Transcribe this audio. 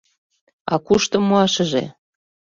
— А кушто муашыже?